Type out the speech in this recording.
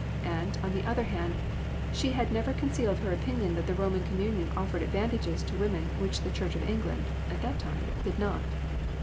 And, on the other hand, she had never concealed her opinion that the Roman Communion offered advantages to women which the Church of England (at that time) did not.